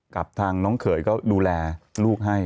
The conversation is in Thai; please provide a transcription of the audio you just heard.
กับทางน้องเขยก็ดูแลลูกให้